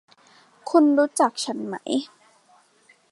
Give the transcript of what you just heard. คุณรู้จักฉันไหม